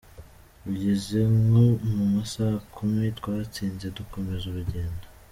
Bigeze nko mu ma saa kumi twahitse dukomeza urugendo.